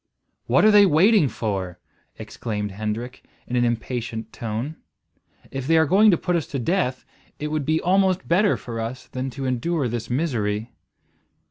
"What are they waiting for?" exclaimed Hendrik in an impatient tone. "If they are going to put us to death, it would be almost better for us than to endure this misery."